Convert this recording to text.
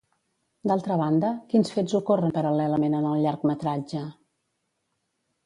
D'altra banda, quins fets ocorren paral·lelament en el llargmetratge?